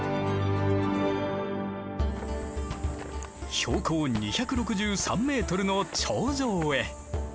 標高２６３メートルの頂上へ。